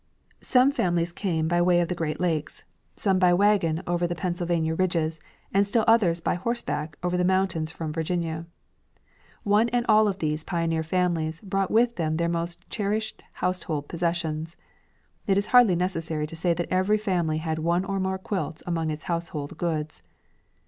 Some families came by way of the Great Lakes, some by wagon over the Pennsylvania ridges, and still others by horseback over the mountains from Virginia. One and all of these pioneer families brought with them their most cherished household possessions. It is hardly necessary to say that every family had one or more quilts among its household goods.